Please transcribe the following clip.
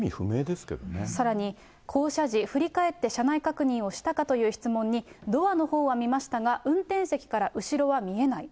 さらに、降車時、振り返って車内確認をしたかという質問に、ドアのほうは見ましたが、運転席から後ろは見えない。